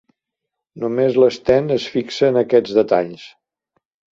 Només l'Sten es fixa en aquests detalls.